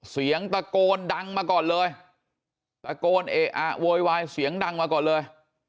เสียงตะโกนดังมาก่อนเลยตะโกนเอะอะโวยวายเสียงดังมาก่อนเลย